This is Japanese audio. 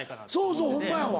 そうそうホンマやわ。